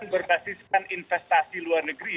berbasiskan investasi luar negeri